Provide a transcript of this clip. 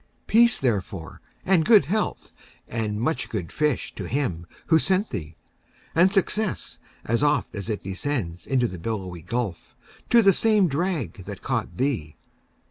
Peace, therefore, and good health, and much good fish, To him who sent thee! and success, as oft As it descends into the billowy gulf, To the same drag that caught thee!